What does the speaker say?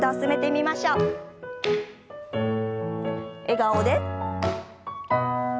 笑顔で。